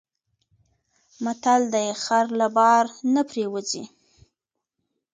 متل دی: خر له بار نه پرېوځي.